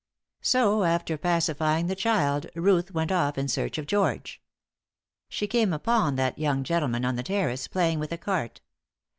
So, after pacifying the child, Ruth went off in search of George. She came upon that young gentleman on the terrace playing with a cart.